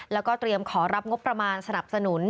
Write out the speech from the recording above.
แล้วก็เตรียมขอรับงบประมาณสนับสนุน